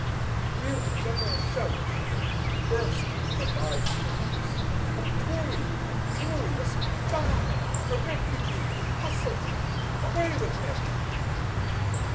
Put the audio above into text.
Here a general shout burst from the bystanders "A tory! a tory! a spy! a refugee! hustle him! away with him!"